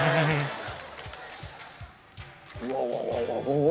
うわうわうわうわ。